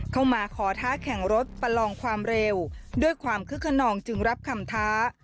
มาขอท้าแข่งรถประลองความเร็วด้วยความคึกขนองจึงรับคำท้า